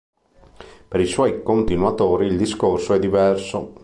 Per i suoi continuatori il discorso è diverso.